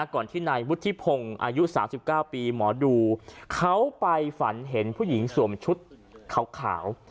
ก่อนที่นายวุฒิพงศ์อายุ๓๙ปีหมอดูเขาไปฝันเห็นผู้หญิงสวมชุดขาว